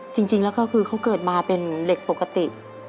จริงแล้วก็คือเขาเกิดมาเป็นเด็กปกติ